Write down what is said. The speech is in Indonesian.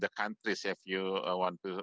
jika anda ingin berbagi kepada penonton